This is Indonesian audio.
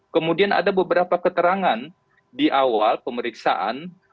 kemudian ada beberapa keterangan di awal pemeriksaan